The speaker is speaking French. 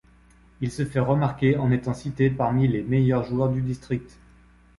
Il se fait remarquer en étant cité parmi les meilleurs joueurs du district.